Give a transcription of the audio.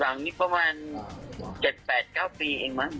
หลังนี้ประมาณ๗๘๙ปีเองมั้ง